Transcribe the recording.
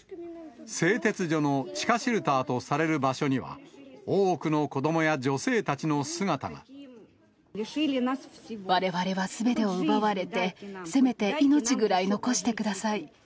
製鉄所の地下シェルターとされる場所には、多くの子どもや女性たわれわれはすべてを奪われて、せめて命ぐらい残してください。